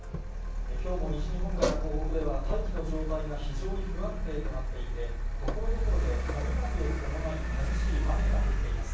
きょうも西日本から東北では、大気の状態が非常に不安定となっていて、ところどころで雷を伴い、激しい雨が降っています。